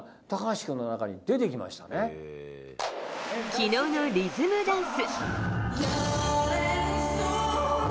昨日のリズムダンス。